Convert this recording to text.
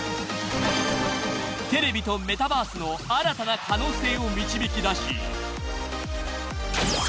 ［テレビとメタバースの新たな可能性を導き出し］